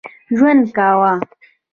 ژوند کاوه.